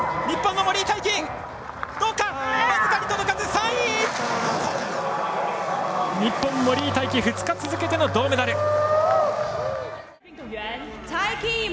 日本、森井大輝２日続けての銅メダル。